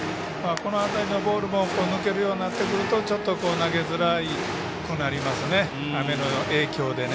この辺りのボールも抜けるようになってくるとちょっと投げづらくなりますね。